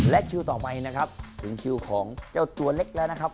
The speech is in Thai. และคิวต่อไปนะครับถึงคิวของเจ้าตัวเล็กแล้วนะครับ